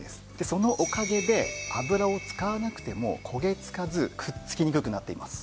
そのおかげで油を使わなくても焦げつかずくっつきにくくなっています。